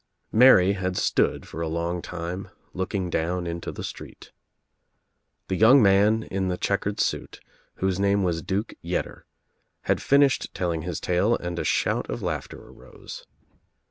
Mary had stood for a long time looking down into the street. The young man in the checkered suit, whose name was Duke Yetter, had finished telling his tale and shout of laughter arose.